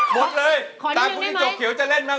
หมดเลยแต่คุณที่เจ้าเขียวจะเล่นบ้าง